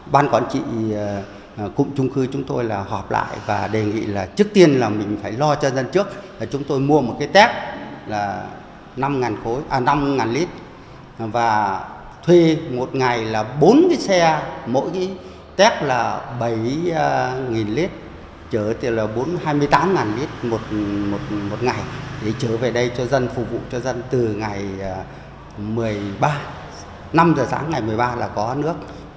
ban quản trị trung cư chúng tôi là họp lại và đề nghị là trước tiên là mình phải lo cho dân trước chúng tôi mua một cái tét là năm lit và thuê một ngày là bốn cái xe mỗi cái tét là bảy lit chở tiền là hai mươi tám lit một ngày để chở về đây cho dân phục vụ cho dân từ ngày một mươi ba năm giờ sáng ngày một mươi ba là có nước